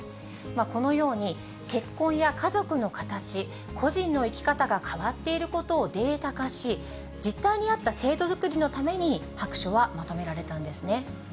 このように、結婚や家族の形、個人の生き方が変わっていることをデータ化し、実態に合った制度作りのために白書はまとめられたんですね。